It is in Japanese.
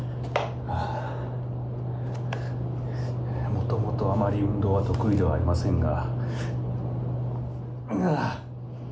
もともとあまり運動は得意ではありませんが。